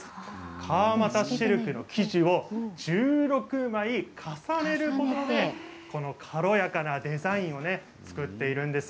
川俣シルクの生地を１６枚重ねることでこの軽やかなデザインを作っているんです。